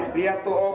lihat tuh om